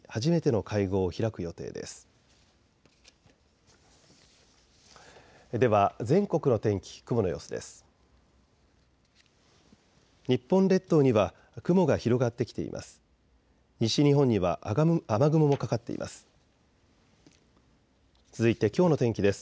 西日本には雨雲もかかっています。